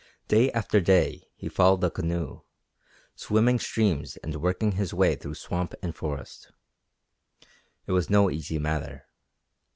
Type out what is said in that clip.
Day after day he followed the canoe, swimming streams and working his way through swamp and forest. It was no easy matter.